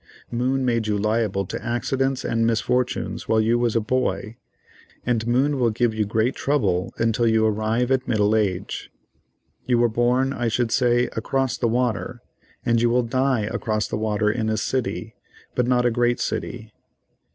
Moon made you liable to accidents and misfortunes while you was a boy, and Moon will give you great trouble until you arrive at middle age. You were born, I should say, across the water, and you will die across the water in a city, but not a great city.